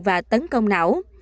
và tấn công não